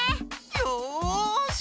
よし。